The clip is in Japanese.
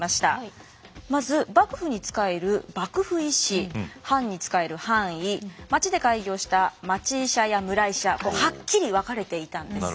まず幕府に仕える幕府医師藩に仕える藩医町で開業した町医者や村医者はっきり分かれていたんですね。